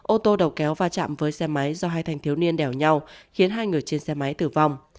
ô tô đầu kéo va chạm với xe máy do hai thanh thiếu niên đẻo nhau khiến hai người trên xe máy tử vong